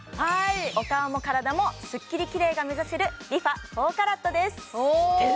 お顔も体もスッキリきれいが目指せるＲｅＦａ４ＣＡＲＡＴです